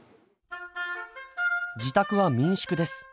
自宅は民宿です。